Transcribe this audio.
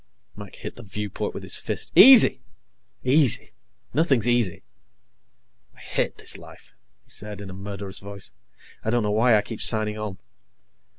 Mac hit the viewport with his fist. "Easy! Easy nothing's easy. I hate this life," he said in a murderous voice. "I don't know why I keep signing on.